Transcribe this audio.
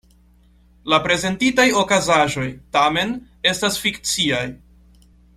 La prezentitaj okazaĵoj, tamen, estas fikciaj.